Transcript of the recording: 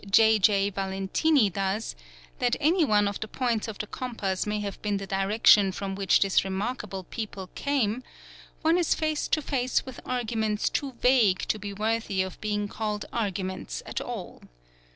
J. J. Valentini does, that any one of the points of the compass may have been the direction from which this remarkable people came, one is face to face with arguments too vague to be worthy of being called arguments at all.